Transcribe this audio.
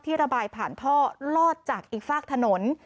ระบายผ่านท่อลอดจากอีกฝากถนน